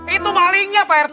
itu malingnya pak rt